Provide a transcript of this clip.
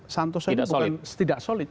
santoso ini bukan tidak solid